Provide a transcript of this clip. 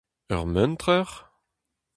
Ur muntrer ?